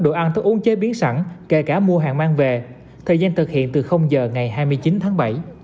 đồ ăn thức uống chế biến sẵn kể cả mua hàng mang về thời gian thực hiện từ giờ ngày hai mươi chín tháng bảy